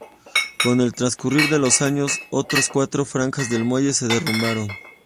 Con el transcurrir de los años, otras cuatro franjas del muelle se derrumbaron.